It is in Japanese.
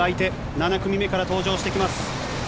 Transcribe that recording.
７組目から登場してきます。